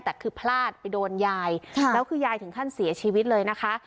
แต่คือพลาดไปโดนยายแล้วคือยายถึงขั้นเสียชีวิตเลยนะคะ